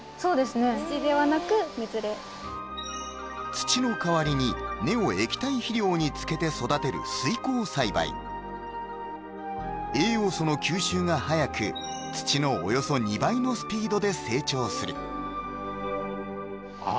土の代わりに根を液体肥料につけて育てる水耕栽培栄養素の吸収がはやく土のおよそ２倍のスピードで成長するあ